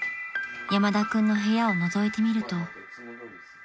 ［山田君の部屋をのぞいてみると］